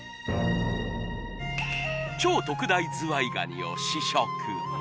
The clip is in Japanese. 超特大ズワイガニを試食